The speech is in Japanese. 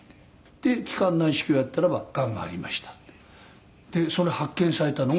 「で気管内視鏡やったらば“がんがありました”って」「でそれ発見されたのが」